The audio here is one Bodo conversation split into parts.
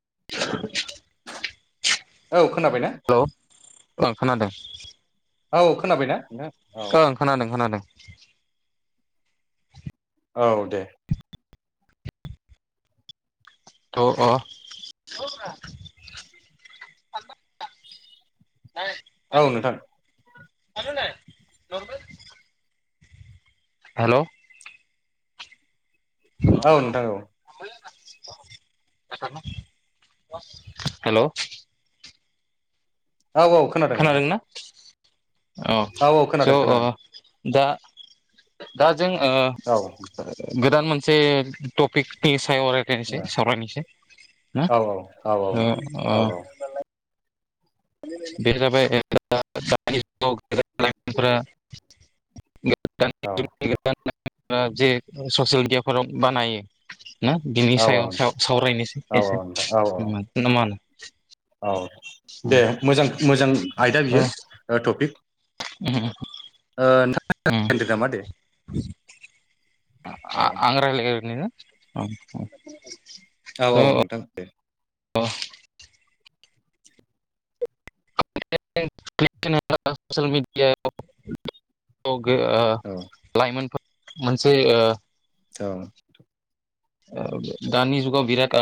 [unintelligible] औ खोनाबाय ना ओ खोनादों औ खोनाबायना नोंथां औ ओं खोनादों खोनादों औ दे थ' अ [unintelligible] औ नोंथां [unintelligible] हेलौ औ नोंथां औ [unintelligible] हेलौ औ औ खोनादों नोंथां खोनादोंना औ स' ओ दा दा जों ओ औ गोदान मोन से टपिकनि सायाव रायलायनोसै सावरायनोसै ना औ औ ओ नोंथां औ औ ओ बे जाबाय [unintelligible] दानि औ [unintelligible] जे ससेल गेम फोराव बानायो ना बिनि औ सायाव सावरायनोसै एसे नोंथां औ मा होनो। औ दे मोजां मोजां आयदा बियो उम टपिक [inaudible] नोंथां दोनदो नामा दे औ आं रायलायगोरनो औ औ औ नोंथां दे [inaudible] औ [inaudible] लाइमोनफोर मोनसे औ दानि जुगाव बिराट [inaudible]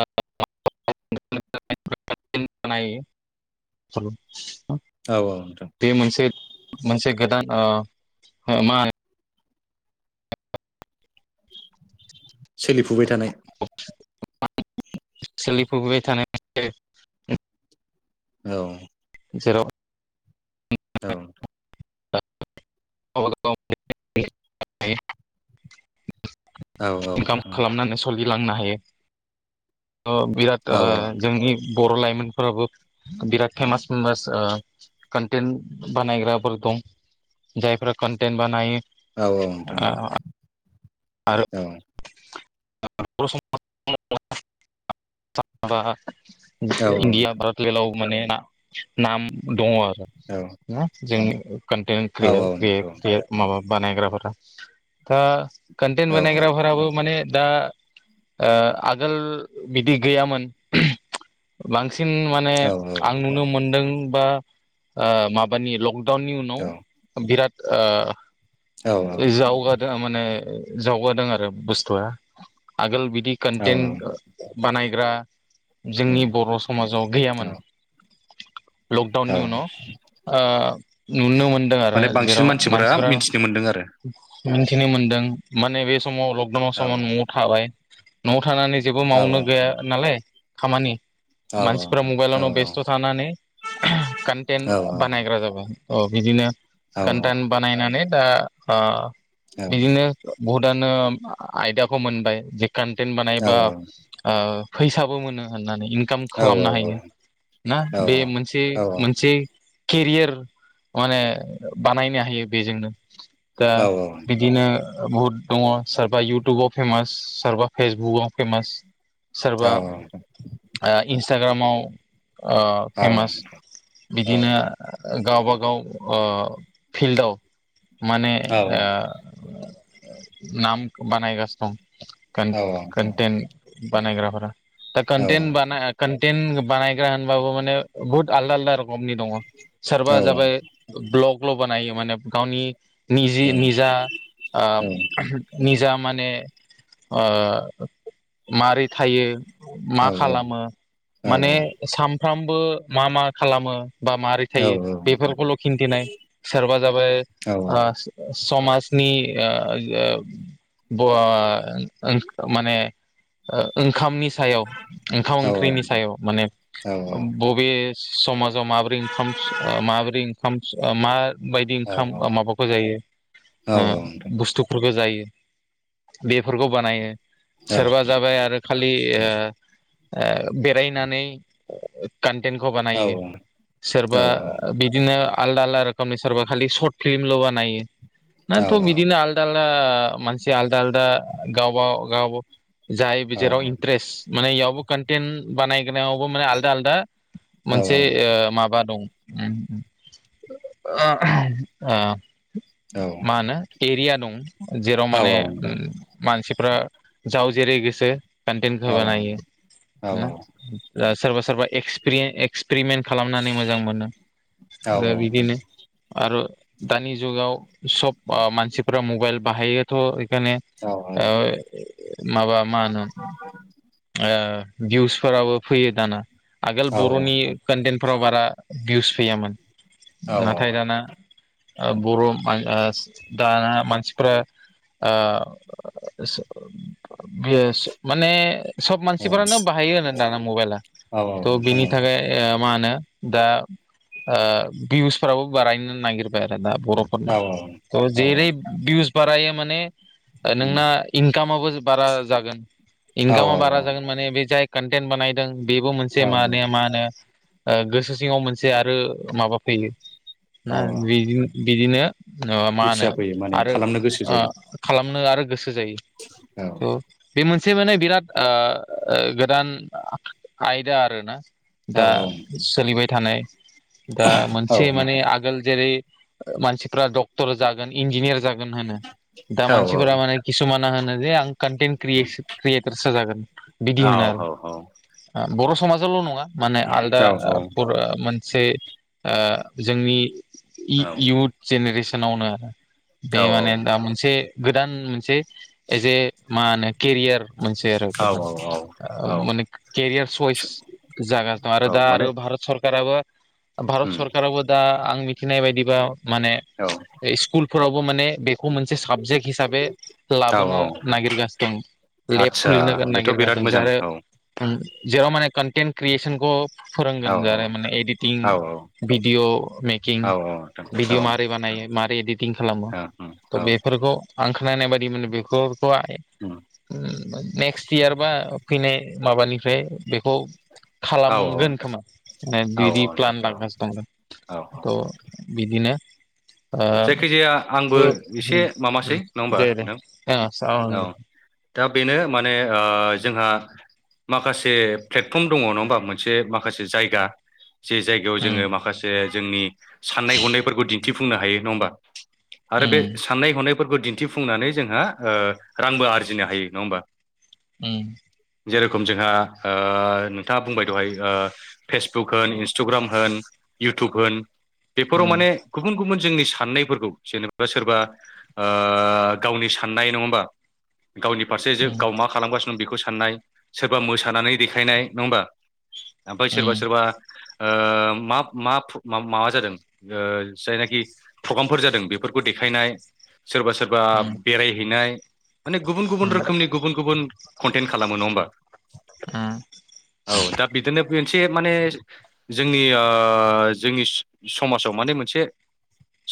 औ औ नोंथां बे मोनसे मोनसे गोदान मा होनो सोलिफुबाय थानाय सोलिफबाय थानाय औ जेराव दाउ [inaudible] औ इनकाम नोंथां खालामनानै सोलिलांनो हायो बिराद औ जोंनि बर' लाइमोनफोराबो बिराद फेमास फेमास कनटेन्ट बानायग्राफोर दं जायफोरा कन्टेन्ट बानायो औ औ नोंथां औ आरो औ [inaudible] औ इण्डिया भारतलयाव माने नाम दङ आरो जों औ नोंथां औ बानायग्राफोरा दा औ कन्टेन बानायग्राफोराबो माने दा [inaudible] सिन माने औ आं नोंथां नुनो मोनदों बा माबानि लक डाउननि उनाव औ बिराद औ जावगादों माने जावगादों आरो बुस्थुआ आगोल बिदि औ कन्टेन बानाय जोंनि बर' समाजाव औ गैयामोन। औ लकडाउननि उनाव नुनो मोनदों आरो माने बांसिन जेराव मानसिफोरा मिथिनो मोनदों आरो मिथिनो मोनदों माने बे समाव लकडाउन समाव न'आव थाबाय न'आव थानानै जेबो औ मावनो गैया नालाय खामानि औ मानसिफ्रा औ मबाइलावननो औ नोंथां बेस्थ' थानानै कन्टेन्ट औ बानायग्रा जाबाय बिदिनो कान्टेन बानायनानै दा बिदिनो बहुद गोदानो आयदियाखौ मोनबाय जे कानटेन्ट बानायबा फैसाबो मोनो होननानै इनकाम खालामनो हायो औ नोंथां औ ना औ औ बे मोनसे मोनसे केरियार माने बानायनो हायो बेजोंनो दा बिदिनो बहुद दङ सोर सोरबा इउटुबाव फेमास सोरबा फेसबुकाव फेमास सोरबा ओ इन्सटाग्रामाव ओ फेमास बिदिनो आ गावबागाव अ फिल्डआव माने आ नाम बानायगासिनो दं कन्टेेन बानायग्राफोरा दा कन्टन्ट कन्टेन्ट बानायायग्रा होन बाबु माने बहुत आलदा आलदा नि दङ सोरबा जाबाय ब्लकल' बानायो माने गावनि निजे निजा आ निजा माने ओ मारै थायो मा खालामो माने सानफ्रामबो मा मा खालामो बा माबोरै थायो बेफोरखौल' खिन्थिनाय सोरबा जाबाय ओ समाज नि ओ ओ ब माने ओ ओंखामनि सायाव ओंखाम ओंख्रिनि सायाव माने बबे समाजाव माबोरै इनखाम आ माबोरै इनखाम मा बायदि ओंखाम माबाखौ ओ औ जायो बुस्थुफोरखौ जायो बेफोरखौ बानायो सोरबा जाबाय आरो खालि ओ नोंथां औ ओ बेरायनानै कन्टेन्टखौ औ बानायो सोरबा बिदिनो आलदा आलदा रोखोमनि सोरबा खालि सर्ट फिल्मल' बानायो औ नाथ' बिदिनो आलदा आलदा मानसि आलदा आलदा गावबा गाव जाय जेराव इन्ट्रेस्ट माने इयावबो कन्टेन्ट बानायग्रावबो माने आलदा आलदा औ मोनसे ओ माबा दं। उम उम ओ औ मा होनो एरिया दं जेराव औ माने औ नोंथां मानसि ओ जाव जेरै गोसो औ कनटेखौ बानायो औ नोंथां औ नोंथां औ सोरबा सोरबा एक्सपिरिन एक्सपिरिमेन्ट खालामनानै मोजां मोनो औ दा बिदिनो नोंथां आरो दानि जुगाव सब मानसिफोरा मबाइल बाहायोथ' खायनो ओ माबा मा होनो ओ भिउसफोराबो फैयो दाना आगोल औ बर'नि कन्टेन्टफोराव बारा भिउस फैयामोन नाथाय दाना बर' म द आना मानसि फ्रा ओ बियो माने सब मानसिफोरानो बाहायो होनो दाना मबाइला थ' बिनि थाखाय ओ मा होनो दा ओ भिउसफ्राबो बारायनो नागिरबाय आरो दा बर'फोरना थ' औ जेरै भिउस फ्रायो माने उम नोंना इनकामाबबो बारा जागोन। औ इनकामा बारा जागोन माने बे जाय कन्टेन्ट बानायदों बेबो औ मोनसे औ माने मा होनो ओ गोसो सिङाव मोनसे आरो माबा फैयो ना बिदि बिदिनो मा इस्सा होनो फैयो माने आरो खालामनो गोसो ओ जायो खालामनो आरो गोसो जायो थ' बे मोनसे माने बिराद ओ गोदान आयदा आरोना औ दा सोलिबाय थानाय दा औ मोनसे माने आगोल जेरै मानसिफ्रा डक्टर जागोन इन्जिनियार जागोन होनो दा औ मानसिफोरा माने किसुमान ना होनो जे आं कन्टन्ट क्रियेटारस जागोन बिदि होनो औ आरो ओ बर' समाजावल' नङा माने आलदा ओ मोनसे ओ जोंनि इुथ जेनेरेसनावनो बे माने दा मोनसे गोदान मोनसे एज ए मा होनो केरियार मोनसे आरो औ गोदान ओ औ माने केरियार चइस जा दं आरो औ दा माने आरो भारत सर सरकाबो भारत उम सरकाराबबो दा आं मिथिनाय बायदिबा माने औ स्कुलफोरावबो माने बे खौ मोनसे साबजेक्ट हिसाबै औ लाबोनो औ नागिरगासिनो दं लेब आदसा खुलिनो बेथ' नागिरगा बिराद जों मोजां आरो औ जेराव माने कन्टेन्ट क्रियेसनखौ फोरोंगोन जाराय माने एडिटिं औ भिडिअ मेकिं औ नोंथां भिदिअ मारै बानायायो मार इदिंथिं खालामो औ उम थ औ बेफोरखौ आं खोननाय बायदि बेखौ खो आइ उम नेक्स्ट इयार बा फैनाय माबानिफ्राय बेखौ औ औ खालामगोन नोंथां खोमा औ औ बिदि प्लान नोंथां लागासिनो दनो औ थ' बिदिनो ओ जायखि जाया आंबो एसे माबासै नङा होमबा दे दे ओ नोंथां औ दे दा बेनो माने ओ जोंहा माखासे प्लेटफर्म दङ नङा होमा मोनसे माखासे जायगा जे जायगायाव जोङो उम माखासे जोंनि साननाय हनायफोरखौ दिन्थिफुंनो हायो नङा होमबा आरो बे उम साननाय हनायफोरखौ दिन थिफुंनानै जोंहा ओ रांबो आरजिनो हायो नङा होमबा उम जेरेखम जोंहा ओ नोंथाङा बुंबाय दहाय ओ फेसबुक होन इन्सटुग्राम होन इउटुब होन बेफोराव उम उम माने गुबुन गुबुन जोंनि साननायफोरखौ जेनेबा सोरबा ओ गावनि सान्नाय नङा होमबा गावनि फारसे उम जो गाव मा खालामगासिनो बेखौ साननाय सोरबा मोसानानै देखायनाय नङा होमबा आमफाय सोरबा उम सोरबा ओ मा मा फुं माबा जादों जायनाखि प्रग्रामफोर जादों बेफोरखौ देखायनाय सोरबा सोरबा बेरायहैनाय माने गुबुन गुबुन रोखोमनि गुबुन गुबुन कन्टेन्ट खालामो नङा होमबा औ दा बिदिनो मोनसे माने जोंनि ओ जोंनि समाजाव माने मोनसे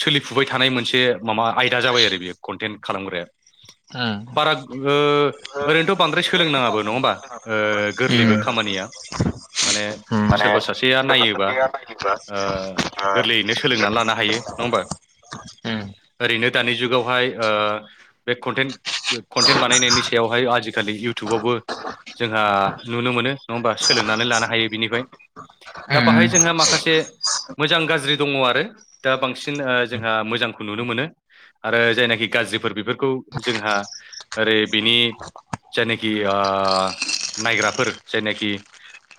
सोलिफुबाय थानाय मोनसे माबा आयदा जाबाय आरो बेयो कन्टेन्ट खालामग्राया ओ बाराग ओ ओरैनोथ' बांद्राय सोलोंनाङाबो नङा हमबा ओ गोरलैबो उम उम खामानिया माने माने सोरबा सासेया सोरबा नायोबा सासेया नायोबा ओ ओ उम उम गोरलैयैनो सोलोंना लानो हायो नङा हमबा उम ओरैनो दानि जुगावहाय बे कन्टेन्ट कन्टेन्ट बानायनायनि सायावहाय आजि आजिखालि इउथुबावबो जोंहा नुनो मोनो नङा हमबा सोलोंनानै लानो हायो बिनिफ्राय दा बाहाय जोंहा माखासे मोजां गाज्रि दङ आरो दा बांसि जोंहा मोजांखौ नुनो मोनो आरो जायनाखि गाज्रि बेफोरखौ जोंहा दै बिनि जायनाखि नायग्राफोर जायनाखि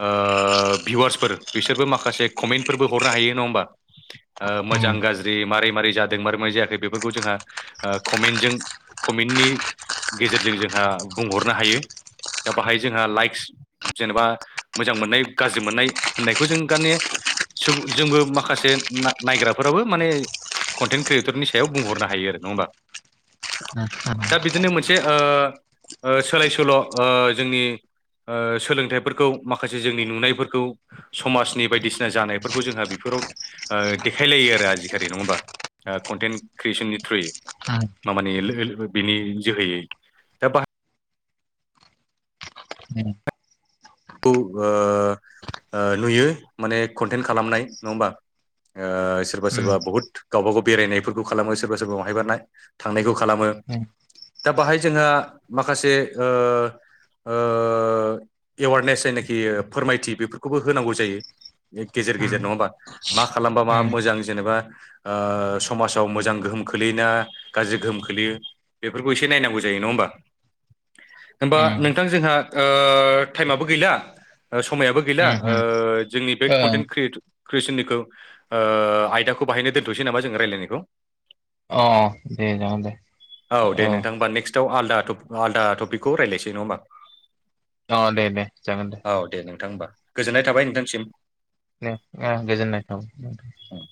ओ भिवार्सफोर बिसोरबो माखासे कमेन्टफोरबो हरनो हायो नङा होमबा ओ मोजां गाज्रि मारै मारै जादों मारै माबारै जायाखै बेफोरखौ जोंहा कमेन्टजों कमेन्टनि गेजेरजों जोंहा बुंहरनो हायो दा बाहाय जोंहा लाइक्स जेनेबा मोजां मोननाय गाज्रि मोननाय होननायखौ जों गाने बुं जोंबो माखासे नायग्राफोराबो माने कन्टेन्ट क्रियेटरनि सायाव बुंहरनो हायो आरो नङा हमबा दा बिदिनो मोनसे ओ ओ सोलाय सोल' ओ जोंनि ओ सोलोंथाइफोरखौ माखासे जोंनि नुनायफोरखौ समाजनि बायदिसिना जानायफोरखौ जोंहा बेफोर फ्राव ओ देखायलायो आरो आजिखारि नङा हमबा कनटेन्ट क्रियेसननि थ्रुयै मामानि बिनि जोहैयै दा बाहा ओ ओ नुयो माने कन्टेन्ट खालामनाय नङ हमबा ओ सोरबा सोरबा बुहुत गावबा गाव बेरायनायफोरखौ खालामो सोरबा सोरबा बहायबा नाय थांनायखौ खालामो उम दा बाहाय जोंहा माखासे ओ ओ एवारनेस जायनाखि फोरमायथि बेफोरखौबो होनांगौ जायो। गेजेर गेजेर नङा हामबा मा खालामबा मा मोजां जेनेबा ओ समाजाव मोजां गो होम खोलैयो ना गाज्रि गोहोम खोलैयो बेफोरखौ एसे नायनांगौ जायो नङा होमबा? [inaudible] होमबा नोंथां जोंहा ओ टाइमाबो गैला। समायाबो गैला उम ओ जोंनि बे कन्टेन्ट उम क्रियेट कक्रियेसननिखौ आयदा खौ बायनो दोनथसै नामा जों रायलायनायखौ? अ दे जागो दे। औ दे ओ नोंथां होमबा नेक्स्टआव आलदा थ आलदा टपिकखौ रायज्लायसै नङा होमबा? अ दे दे जागोन दे। नोंथां होमबा गोजोननाय थाबाय नोंथांसिम। ए गोजोननाय था उम।